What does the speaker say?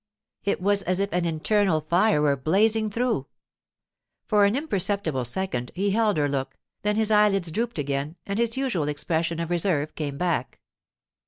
It was as if an internal fire were blazing through. For an imperceptible second he held her look, then his eyelids drooped again and his usual expression of reserve came back.